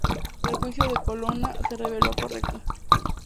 El juicio de Colonna se reveló correcto.